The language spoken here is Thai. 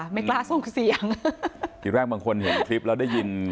ไม่กล้าส่งเสียงทีแรกบางคนเห็นคลิปแล้วได้ยิน